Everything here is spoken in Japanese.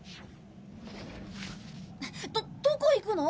どどこ行くの？